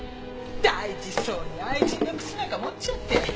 大事そうに愛人の靴なんか持っちゃって。